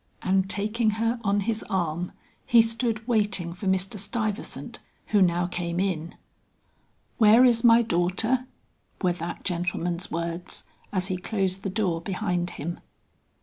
And taking her on his arm, he stood waiting for Mr. Stuyvesant who now came in. "Where is my daughter?" were that gentleman's words, as he closed the door behind him.